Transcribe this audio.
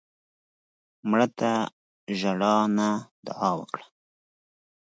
مړه ته ژړا نه، دعا وکړه